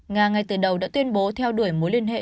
nga ngay từ đầu đã tuyên bố theo đuổi mối liên hệ